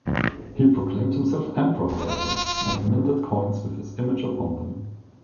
He proclaimed himself emperor, however, and minted coins with his image upon them.